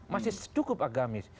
masih cukup agamis